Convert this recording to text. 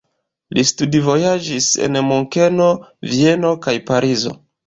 Li studvojaĝis en Munkeno, Vieno kaj Parizo.